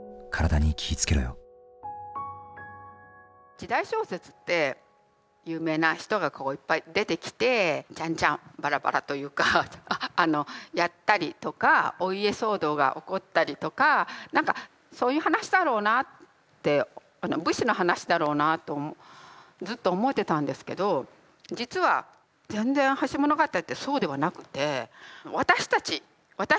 時代小説って有名な人がこういっぱい出てきてチャンチャンバラバラというかあのやったりとかお家騒動が起こったりとか何かそういう話だろうなあって武士の話だろうなあとずっと思ってたんですけど実は全然「橋ものがたり」ってそうではなくて私たち私のことが書いてあるんですよ